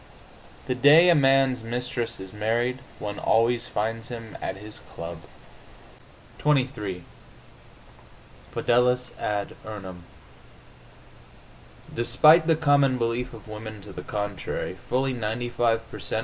The day a man's mistress is married one always finds him at his club. XXIII FIDELIS AD URNUM Despite the common belief of women to the contrary, fully 95 per cent.